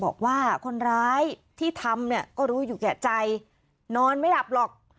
บอกว่าคนร้ายที่ทำเนี่ยก็รู้อยู่แก่ใจนอนไม่หลับหรอก